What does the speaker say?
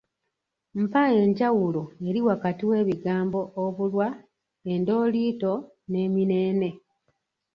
Mpa enjawulo eri wakati w’ebigambo; obulwa, endooliito n’emineene